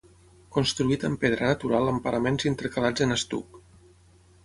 Construït amb pedra natural amb paraments intercalats en estuc.